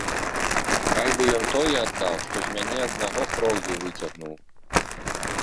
Хай бы ён тое аддаў, што з мяне аднаго кроўю выцягнуў!